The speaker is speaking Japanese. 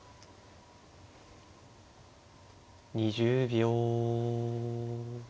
２０秒。